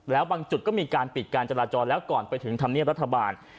แล้วบางจุดก็มีการปิดการจราจรแล้วก่อนไปถึงธรรมเนียบรัฐบาล